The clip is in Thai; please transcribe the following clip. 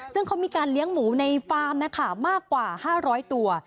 ซึ่งเขามีการเลี้ยงหมูในฟาร์มนะคะมากกว่า๕๐๐ตัว